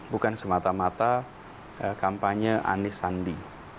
bukan semata mata kampanye anies sandi